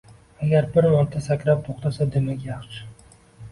Agar bir marta sakrab to'xtasa demak yaxshi.